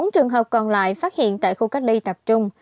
bốn trường hợp còn lại phát hiện tại khu cách ly tập trung